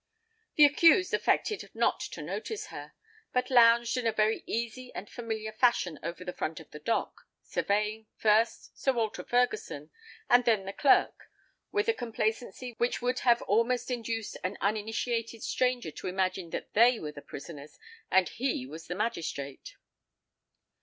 The accused affected not to notice her, but lounged in a very easy and familiar fashion over the front of the dock; surveying, first Sir Walter Ferguson, and then the clerk, with a complacency which would have almost induced an uninitiated stranger to imagine that they were the prisoners and he was the magistrate.